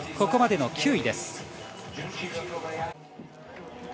ここまでの９位です。